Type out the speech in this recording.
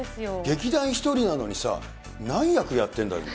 劇団ひとりなのにさ、何役やってるの。